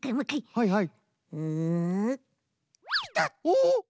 はいはい。